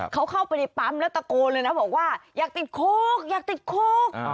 เขาเข้าไปในปั๊มแล้วตะโกนเลยนะบอกว่าอยากติดคุกอยากติดคุก